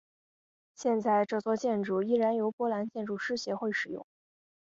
现在这座建筑仍然由波兰建筑师协会使用。